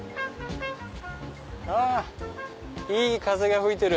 あいい風が吹いてる！